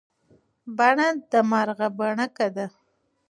بڼه د مارغه بڼکه ده.